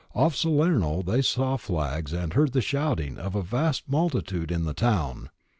Off Salerno they saw flags and heard the shouting of a vast multitude in the town.